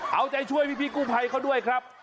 เอาใจช่วยพี่กู้ภัยเขาด้วยครับ